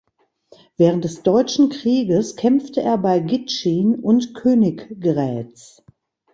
Während des Deutschen Krieges kämpfte er bei Gitschin und Königgrätz.